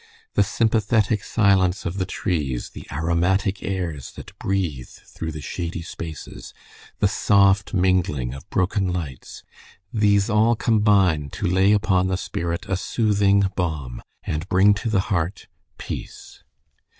The sympathetic silence of the trees, the aromatic airs that breathe through the shady spaces, the soft mingling of broken lights these all combine to lay upon the spirit a soothing balm, and bring to the heart peace.